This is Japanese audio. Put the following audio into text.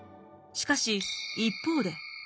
しかし一方で。